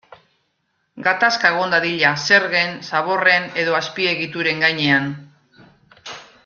Gatazka egon dadila zergen, zaborren edo azpiegituren gainean.